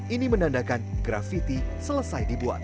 ini menandakan grafiti selesai dibuat